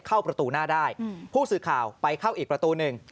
เข้าประตูหน้าได้ผู้สื่อข่าวไปเข้าอีกประตูหนึ่ง